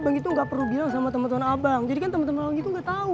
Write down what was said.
bang itu nggak perlu bilang sama teman teman abang jadikan teman teman itu enggak tahu